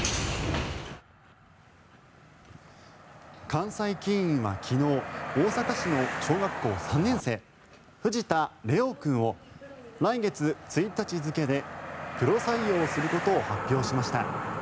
関西棋院は昨日大阪市の小学校３年生藤田怜央君を、来月１日付でプロ採用することを発表しました。